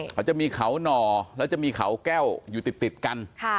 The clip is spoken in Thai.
เขาจะมีเขาหน่อแล้วจะมีเขาแก้วอยู่ติดกัน